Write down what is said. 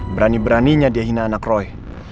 berani beraninya dia hina anak roy